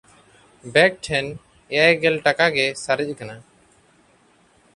ᱵᱮᱠ ᱴᱷᱮᱱ ᱮᱭᱟᱭ ᱜᱮᱞ ᱴᱟᱠᱟ ᱜᱮ ᱥᱟᱨᱮᱡ ᱠᱟᱱᱟ᱾